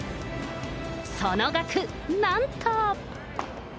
その額、なんと。